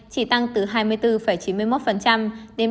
chỉ tăng từ hai mươi bốn chín mươi một đến ba mươi chín năm mươi sáu